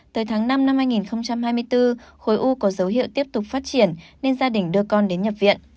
tới tháng năm năm hai nghìn hai mươi bốn khối u có dấu hiệu tiếp tục phát triển nên gia đình đưa con đến nhập viện